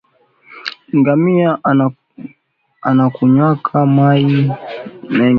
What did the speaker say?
Ngamia anakunywaka mayi mingi